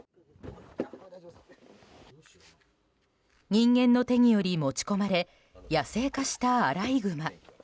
人間の手により持ち込まれ野生化したアライグマ。